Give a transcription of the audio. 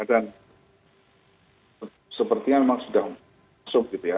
dan sepertinya memang sudah langsung gitu ya